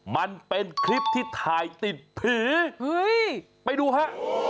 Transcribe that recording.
มันเป็นคลิปที่ถ่ายติดผีไปดูฮะ